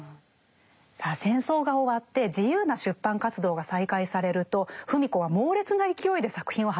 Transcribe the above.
さあ戦争が終わって自由な出版活動が再開されると芙美子は猛烈な勢いで作品を発表していきました。